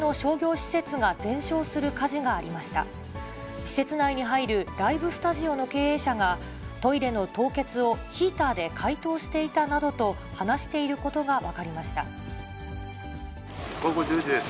施設内に入るライブスタジオの経営者が、トイレの凍結をヒーターで解凍していたなどと話していることが分午後１０時です。